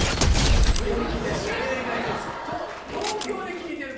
渋谷で聞いてるよ。